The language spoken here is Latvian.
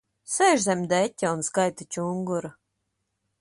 Sēž zem deķa un skaita čunguru.